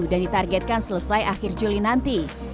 dan ditargetkan selesai akhir juli nanti